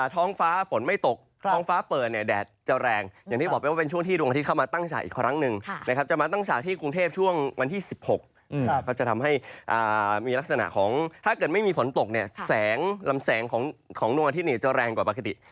แต่แสงลำแสงของโดงอาทิตย์เนี่ยจะแรงกว่าปกติ